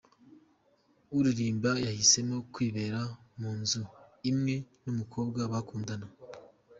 Uririmba yahisemo kwibera mu nzu imwe n’umukobwa bakundana